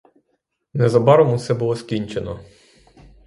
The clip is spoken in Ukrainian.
Незабаром усе було скінчено.